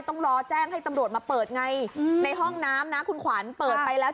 ต้องรอแจ้งให้ตำรวจมาเปิดไงในห้องน้ำนะคุณขวัญเปิดไปแล้ว